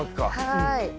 はい。